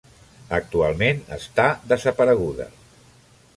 Actualment està desapareguda.